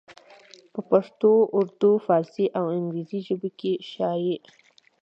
پۀ پښتو اردو، فارسي او انګريزي ژبو کښې شايع